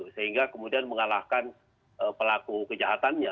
sehingga kemudian mengalahkan pelaku kejahatannya